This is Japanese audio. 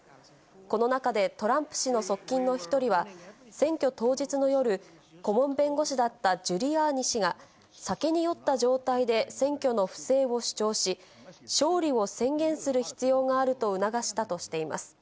この中で、トランプ氏の側近の１人は、選挙当日の夜、顧問弁護士だったジュニアーニ氏が、酒に酔った状態で選挙の不正を主張し、勝利を宣言する必要があると促したとしています。